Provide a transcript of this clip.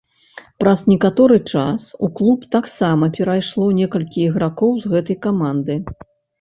Праз некаторы час у клуб таксама перайшло некалькі ігракоў з гэтай каманды.